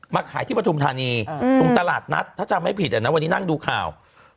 มาขายที่ประธุมฐานีตรงตลาดนัดถ้าจำไม่ผิดอันนั้นวันนี้นั่งดูข่าว